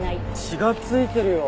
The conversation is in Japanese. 血が付いてるよ。